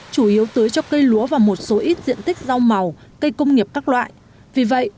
chủ yếu tưới cho cây lúa và một số ít diện tích rau màu cây công nghiệp các loại vì vậy